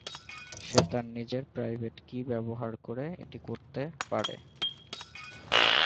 সে তার নিজের private key ব্যবহার করে এটি করতে পারে।